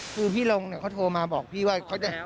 คือพี่ลงเนี่ยเขาโทรมาบอกพี่ว่าเขาจะ